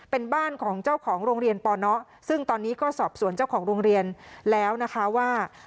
เป็นบ้านของเจ้าของโรงเรียนปนซึ่งตอนนี้ก็สอบสวนเจ้าของโรงเรียนแล้วนะคะว่า